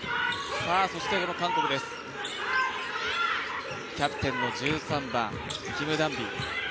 韓国、キャプテンの１３番、キム・ダンビ。